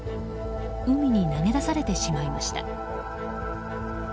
海に投げ出されてしまいました。